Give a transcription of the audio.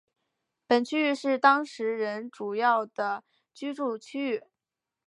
本区域是当时人主要的居住区域。